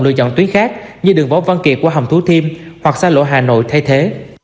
lựa chọn tuyến khác như đường võ văn kiệt qua hầm thú thiêm hoặc xa lộ hà nội thay thế